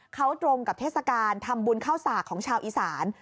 เขาตรงกับเทศกาลทำบุญเข้าสากของชาวอีสาน